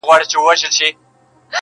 قاسم یار چي په خندا خېژمه دار ته